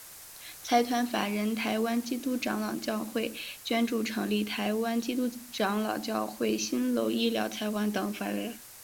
财团法人台湾基督长老教会捐助成立台湾基督长老教会新楼医疗财团法人等公益法人。